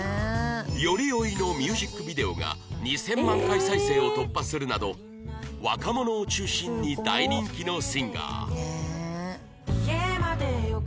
『寄り酔い』のミュージックビデオが２０００万回再生を突破するなど若者を中心に大人気のシンガー